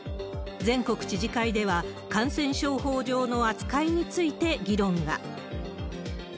全国知事会では、感染症法上の扱いについて議論が。